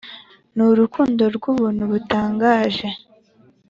N'urukundo n'ubuntu butangaje